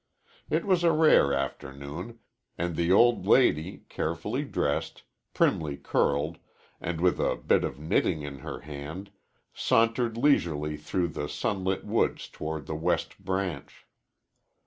It was a rare afternoon, and the old lady, carefully dressed, primly curled, and with a bit of knitting in her hand, sauntered leisurely through the sunlit woods toward the West Branch.